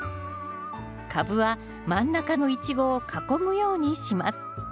カブは真ん中のイチゴを囲むようにします。